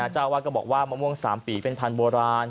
เจ้าอาวาสก็บอกว่ามะม่วง๓ปีเป็นพันธุ์โบราณ